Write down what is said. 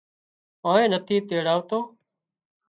آنئين نٿِي تيڙاوتو